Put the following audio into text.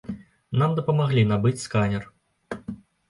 Нам дапамаглі набыць сканер.